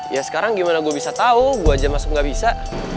ya sekarang gimana gue bisa tahu gue aja masuk gak bisa